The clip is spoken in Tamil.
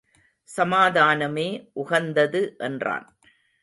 சமாதானமே உகந்தது என்றான்.